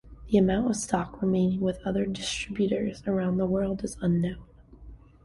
The amount of stock remaining with other distributors around the world is unknown.